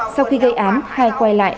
sau khi gây án hai quay lại